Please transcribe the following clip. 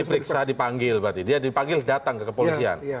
diperiksa dipanggil berarti dia dipanggil datang ke kepolisian